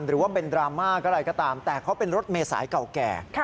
หรือว่าเป็นดราม่าก็อะไรก็ตามแต่เขาเป็นรถเมษายเก่าแก่